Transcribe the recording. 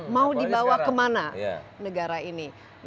mau dibawa ke mana negara ini